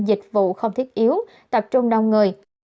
dịch vụ không thiết yếu tập trung đông người